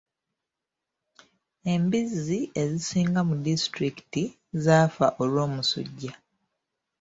Embizzi ezisinga mu disitulikiti zaafa olw'omusujja.